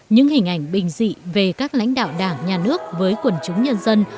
những hình ảnh bình dị về các lãnh đạo đảng nhà nước với quần chúng nhân dân